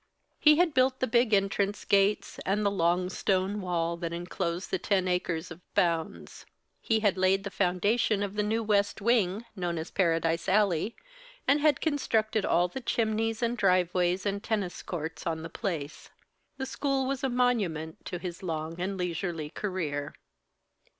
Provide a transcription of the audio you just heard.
He had built the big entrance gates, and the long stone wall that enclosed the ten acres of "bounds." He had laid the foundation of the new west wing known as Paradise Alley and had constructed all the chimneys and driveways and tennis courts on the place. The school was a monument to his long and leisurely career.